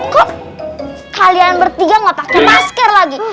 kok kalian bertiga gak pakai masker lagi